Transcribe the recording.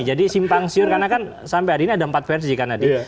jadi simpang siur karena kan sampai hari ini ada empat fans di kan tadi